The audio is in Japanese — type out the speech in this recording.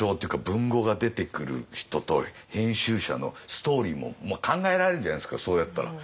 文豪が出てくる人と編集者のストーリーも考えられるじゃないですかそうやったら。